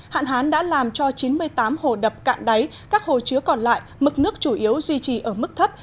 hạn hán đã làm cho chín mươi tám hồ đập cạn đáy các hồ chứa còn lại mực nước chủ yếu duy trì ở mức thấp